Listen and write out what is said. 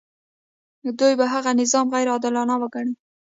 دوی به هغه نظام غیر عادلانه وګڼي.